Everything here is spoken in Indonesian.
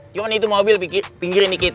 cuma itu mobil pinggirin dikit